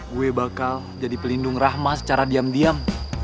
gue bakal jadi pelindung rahma secara diam diam